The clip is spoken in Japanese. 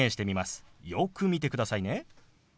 よく見てくださいね。